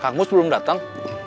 kamus belum datang